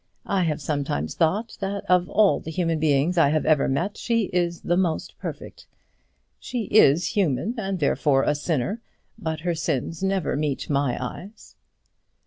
I have sometimes thought that of all the human beings I have ever met, she is the most perfect; she is human, and therefore a sinner, but her sins never meet my eyes."